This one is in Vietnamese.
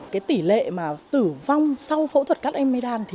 cái tỷ lệ mà tử vong sau phẫu thuật cắt ammidam